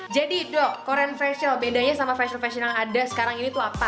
jadi dok korean facial bedanya sama facial facial yang ada sekarang ini tuh apa